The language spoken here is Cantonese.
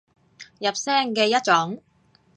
入聲嘅一種